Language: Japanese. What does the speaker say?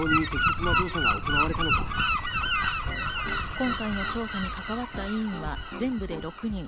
今回の調査に関わった委員は全部で６人。